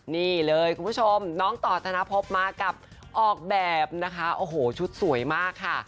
นี่เลยคุณผู้ชมน้องต่อธนภพมากับออกแบบนะคะโอ้โหชุดสวยมากค่ะ